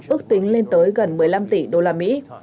ước tính lên tới gần một mươi năm tỷ đô la mỹ